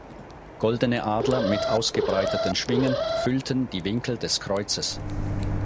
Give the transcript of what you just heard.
Goldene Adler mit ausgebreiteten Schwingen füllten die Winkel des Kreuzes.